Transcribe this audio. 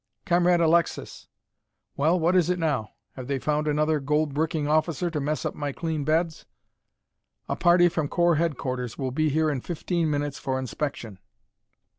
"Comrade Alexis!" "Well, what is it now? Have they found another gold bricking officer to mess up my clean beds?" "A party from corps headquarters will be here in fifteen minutes for inspection."